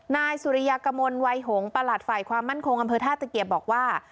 นายสุริยากมลวัยหงษ์ประหลัดฝ่ายความมั่นคงอำเภอท่าตะเกียบบอกว่า